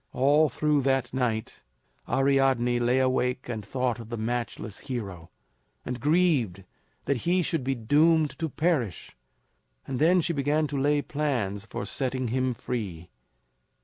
All through that night Ariadne lay awake and thought of the matchless hero, and grieved that he should be doomed to perish; and then she began to lay plans for setting him free.